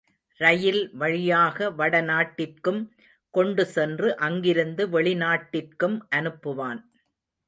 ரயில் வழியாக வட நாட்டிற்கும் கொண்டுசென்று, அங்கிருந்து வெளிநாட்டிற்கும் அனுப்புவான்.